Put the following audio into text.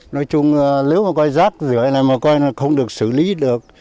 nói chung nếu mà rác rưỡi này không được xử lý được